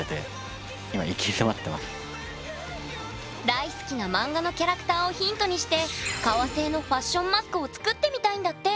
大好きな漫画のキャラクターをヒントにして革製のファッションマスクを作ってみたいんだって！